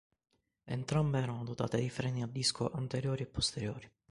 Entrambe erano dotate di freni a disco anteriori e posteriori.